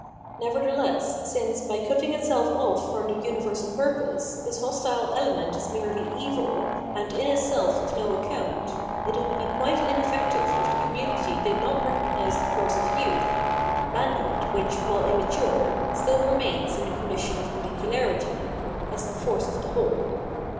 Nevertheless, since, by cutting itself off from the . universal purpose, this hostile element is merely evil, and in itself of no account, it would be quite ineffective if the community did not recognise the force of youth, (manhood, which, while immature, still remains in the condition of particularity), as the force of the whole.